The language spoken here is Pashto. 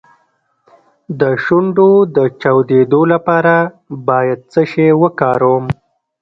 د شونډو د چاودیدو لپاره باید څه شی وکاروم؟